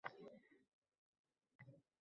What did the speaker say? Achchigʻing chiqmasin, oshna, – dedi Vasko.